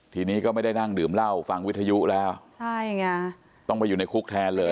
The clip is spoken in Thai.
ทีนี้ก็ไม่ได้นั่งดื่มเหล้าฟังวิทยุแล้วใช่ไงต้องไปอยู่ในคุกแทนเลย